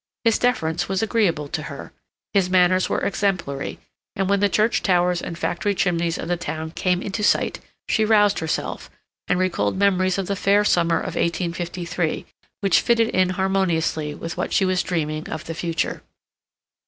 His deference was agreeable to her, his manners were exemplary; and when the church towers and factory chimneys of the town came into sight, she roused herself, and recalled memories of the fair summer of 1853, which fitted in harmoniously with what she was dreaming of the future.